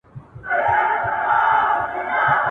د کوچني دپاره مي په کڅوڼي کي نوي پلمې جوړي کړې.